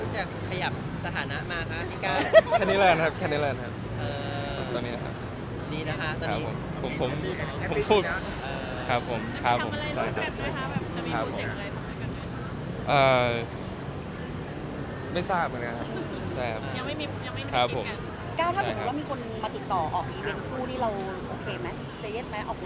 จะเย็บไหมออกงานผู้กันแบบนี้เลย